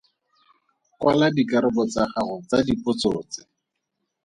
Kwala dikarabo tsa gago tsa dipotso tse.